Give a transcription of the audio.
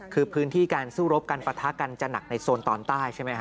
คือพื้นที่การสู้รบกันปะทะกันจะหนักในโซนตอนใต้ใช่ไหมฮ